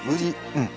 うん。